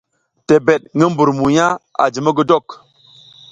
Tebed ngi mbur mugna a ji mogodok.